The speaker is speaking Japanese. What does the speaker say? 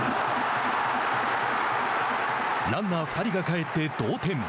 ランナー２人が帰って同点。